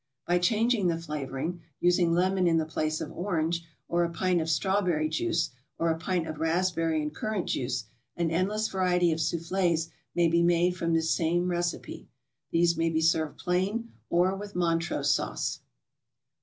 By changing the flavoring, using lemon in the place of orange, or a pint of strawberry juice, or a pint of raspberry and currant juice, an endless variety of soufflés may be made from this same recipe. These may be served plain, or with Montrose Sauce.